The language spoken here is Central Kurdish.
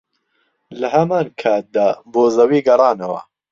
لەهەمانکاتدا بۆ زەوی گەڕانەوە